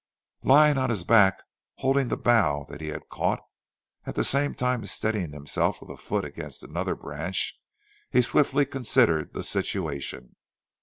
Lying on his back holding the bough that he had caught, at the same time steadying himself with a foot against another branch, he swiftly considered the situation.